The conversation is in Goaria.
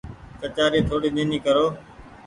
ڪچآري ٿوڙي نيني ڪرو۔